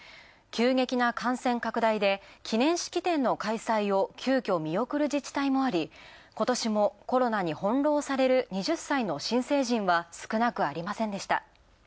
急激な感染拡大で記念式典の開催を急遽、見送る自治体もあり、今年もコロナに翻弄される２０歳の新成人は少なくありませんでした。